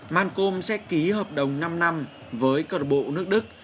man công sẽ ký hợp đồng năm năm với cơ bộ nước đức